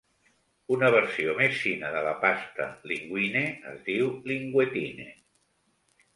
Una versió més fina de la pasta "linguine" es diu "linguettine".